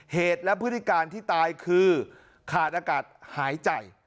เหตุและพฤติการที่ตายคือขาดอากาศหายใจ